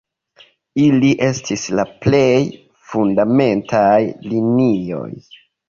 Ili estis la plej fundamentaj linioj.